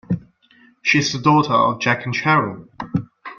She is the daughter of Jack and Cheryl.